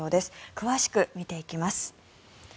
詳しく見ていきます。